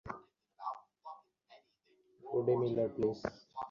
গুডি Miller, please!